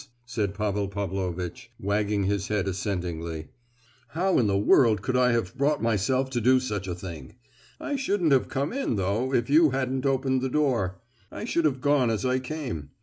said Pavel Pavlovitch, wagging his head assentingly; "how in the world could I have brought myself to do such a thing? I shouldn't have come in, though, if you hadn't opened the door. I should have gone as I came.